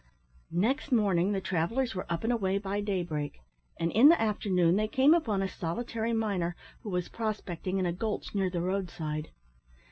Next morning the travellers were up and away by daybreak, and in the afternoon they came upon a solitary miner who was prospecting in a gulch near the road side.